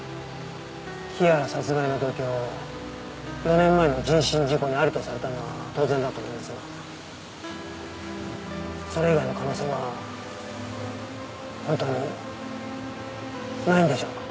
日原殺害の動機を４年前の人身事故にありとされたのは当然だと思いますがそれ以外の可能性は本当にないんでしょうか？